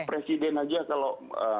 presiden aja kalau